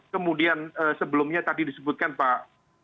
kemudian sebelumnya tadi disebutkan pak